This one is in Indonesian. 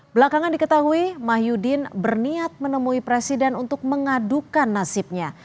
belakangan diketahui mah yudin berniat menemui presiden untuk mengadukan nasibnya